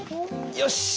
よし！